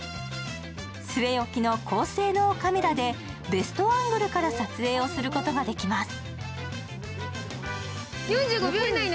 据え置きの高性能カメラでベストアングルから撮影をすることができます。